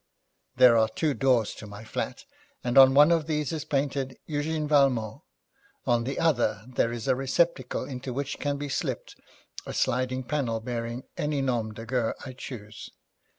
There are two doors to my flat, and on one of these is painted, 'Eugène Valmont'; on the other there is a receptacle, into which can be slipped a sliding panel bearing any nom de guerre I choose.